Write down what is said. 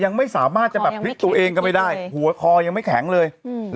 ยังไม่สามารถจะแบบพลิกตัวเองก็ไม่ได้หัวคอยังไม่แข็งเลยอืม